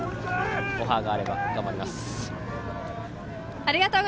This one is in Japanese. オファーがあれば頑張ります。